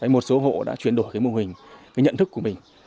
một số hộ đã chuyển đổi cái mô hình nhận thức của mình